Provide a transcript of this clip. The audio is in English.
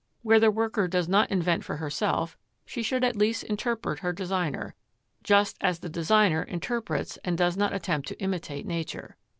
Where the worker does not invent for herself, she should at least interpret her designer, just as the designer interprets and does not attempt to imitate nature.